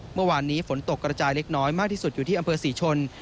เมื่อวานนี้ฝนตกกระจายเล็กน้อยมากที่สุดอยู่ที่อำเภอศรีชน